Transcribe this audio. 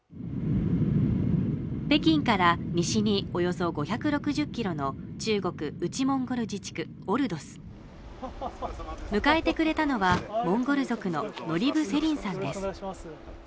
北京から西におよそ５６０ｋｍの中国内モンゴル自治区オルドス迎えてくれたのはモンゴル族のノリブ・セリンさんです